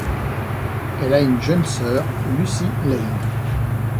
Elle a une jeune sœur, Lucy Lane.